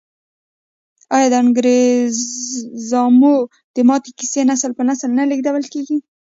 آیا د انګریزامو د ماتې کیسې نسل په نسل نه لیږدول کیږي؟